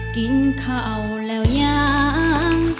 กินข้าวแล้วยัง